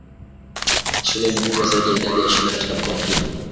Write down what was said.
shule ni kubwa zaidi ya idadi ya shule katika mikoa mingine TanzaniaShule nyingi